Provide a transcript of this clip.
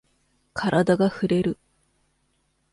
カラダがふれる。